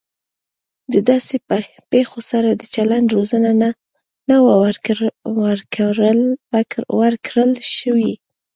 د داسې پیښو سره د چلند روزنه نه وه ورکړل شوې